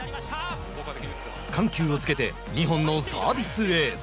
緩急をつけて２本のサービスエース。